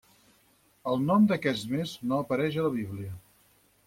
El nom d'aquest mes no apareix a la Bíblia.